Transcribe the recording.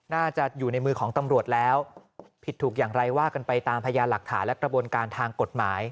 น่าจะอยู่ในมือของตำรวจแล้วผิดถูกอย่างไรว่ากันไปตามพยานหลักฐานและกระบวนการทางกฎหมาย